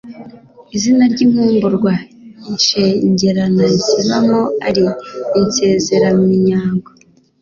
Izina ry' inkumburwa ishengeranaIzibamo ari Insezeraminyago